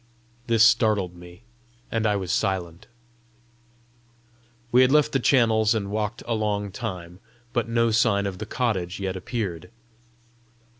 This startled me, and I was silent. We had left the channels and walked a long time, but no sign of the cottage yet appeared.